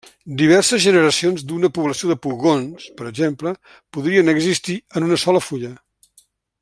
Diverses generacions d'una població de pugons, per exemple, podrien existir en una sola fulla.